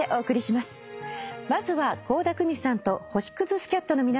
まずは。